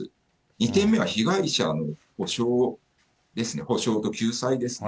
２点目は被害者の補償ですね、補償と救済ですね。